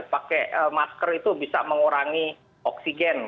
pakai masker itu bisa mengurangi oksigen